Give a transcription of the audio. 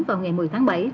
vào ngày một mươi tháng bảy